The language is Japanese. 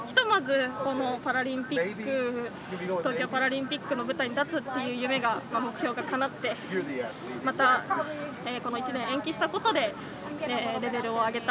ひとまず東京パラリンピックの舞台に立つという夢、目標がかなってまた、この１年延期したことでレベルを上げた。